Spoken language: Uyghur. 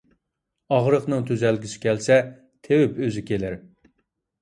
ئاغرىقنىڭ تۈزەلگۈسى كەلسە، تېۋىپ ئۆزى كېلەر.